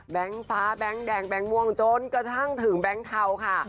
ฟ้าแบงค์แดงแบงค์ม่วงจนกระทั่งถึงแบงค์เทาค่ะ